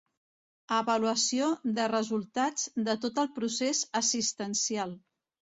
Avaluació de resultats de tot el procés assistencial.